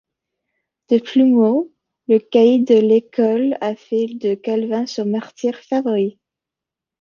De plus Moe, le caïd de l'école, a fait de Calvin son martyr favori.